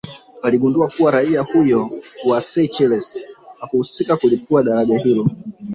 Aligundua kuwa raia huyo wa Seychelles hakuhusika kulipua daraja hilo